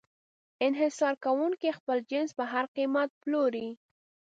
انحصار کوونکی خپل جنس په هر قیمت پلوري.